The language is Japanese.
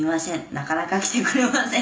なかなか来てくれません」